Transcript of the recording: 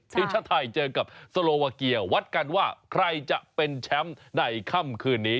ทีมชาติไทยเจอกับโซโลวาเกียวัดกันว่าใครจะเป็นแชมป์ในค่ำคืนนี้